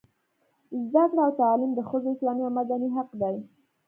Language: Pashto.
زده کړه او تعلیم د ښځو اسلامي او مدني حق دی.